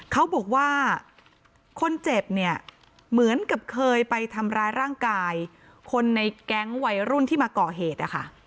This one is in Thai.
เขาบอกว่าคนเจ็บเนี่ยเหมือนกับเคยไปทำร้ายร่างกายคนในแก๊งวัยรุ่นที่มาก่อเหตุนะคะ